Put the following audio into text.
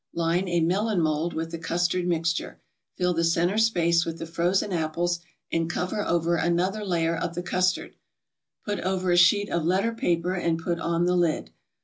Line a melon mold with the custard mixture, fill the centre space with the frozen apples, and cover over another layer of the custard; put over a sheet of letter paper and put on the lid.